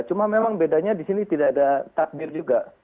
cuma memang bedanya disini tidak ada takbir juga